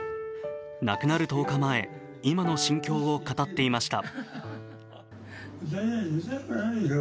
亡くなる１０日前、今の心境を語っていました。